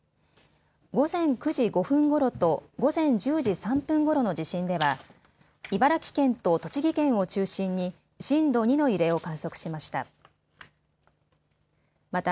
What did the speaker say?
午前９時５分ごろと午前１０時３分ごろの地震では茨城県と栃木県を中心に震度２の揺れを観測しました。